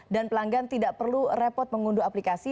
dan pelanggan tidak perlu repot mengunduh aplikasi